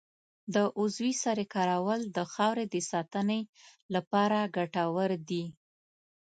د عضوي سرې کارول د خاورې د ساتنې لپاره ګټور دي.